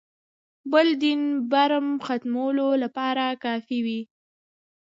بل دین برم ختمولو لپاره کافي وي.